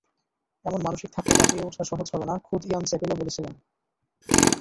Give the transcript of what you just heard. এমন মানসিক ধাক্কা কাটিয়ে ওঠা সহজ হবে না, খোদ ইয়ান চ্যাপেলও বলেছিলেন।